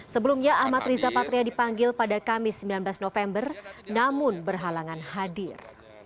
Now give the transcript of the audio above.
sebelumnya ahmad riza patria dipanggil pada kamis sembilan belas november namun berhalangan hadir